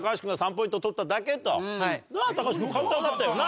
なぁ橋君簡単だったよな。